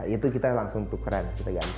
itu kita langsung tukeran kita ganti